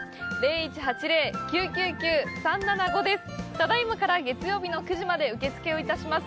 ただいまから月曜日の９時まで受付をいたします。